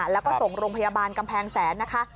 แล้วก็ส่งโรงพยาบาลกำแพงแสนนะคะ